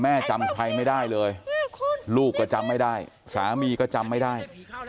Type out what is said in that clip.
จำใครไม่ได้เลยลูกก็จำไม่ได้สามีก็จำไม่ได้